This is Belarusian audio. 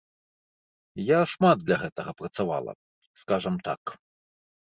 Я шмат для гэтага працавала, скажам так.